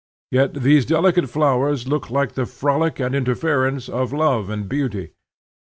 Yet these delicate flowers look like the frolic and interference of love and beauty.